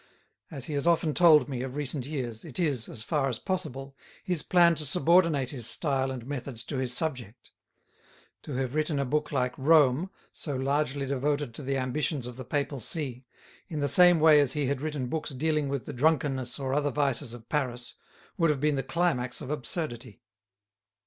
As he has often told me of recent years, it is, as far as possible, his plan to subordinate his style and methods to his subject. To have written a book like "Rome," so largely devoted to the ambitions of the Papal See, in the same way as he had written books dealing with the drunkenness or other vices of Paris, would have been the climax of absurdity.